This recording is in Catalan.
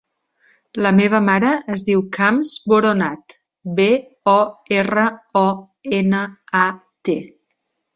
La meva mare es diu Chams Boronat: be, o, erra, o, ena, a, te.